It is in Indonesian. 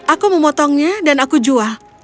aku memotongnya dan aku jual